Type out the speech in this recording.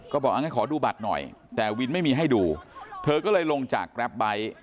ก็บอกงั้นขอดูบัตรหน่อยแต่วินไม่มีให้ดูเธอก็เลยลงจากแรปไบท์